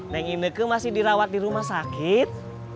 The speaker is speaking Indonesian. neng ineke masih dirawat di rumah sakit